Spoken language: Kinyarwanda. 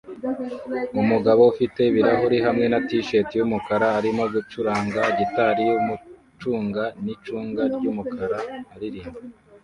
Umugabo ufite ibirahuri hamwe na t-shirt yumukara arimo gucuranga gitari yumucunga nicunga ryumukara aririmba